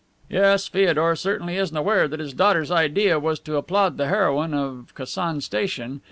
"Yes, Feodor certainly isn't aware that his daughter's idea was to applaud the heroine of Kasan station.